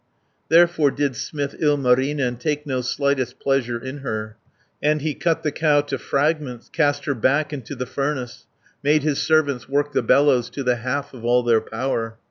Therefore did smith Ilmarinen Take no slightest pleasure in her, 370 And he cut the cow to fragments, Cast her back into the furnace, Made his servants work the bellows, To the half of all their power.